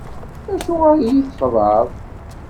Acuɣer i yi-txedɛeḍ?